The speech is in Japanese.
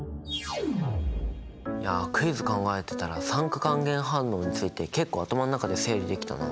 いやクイズ考えてたら酸化還元反応について結構頭の中で整理できたな。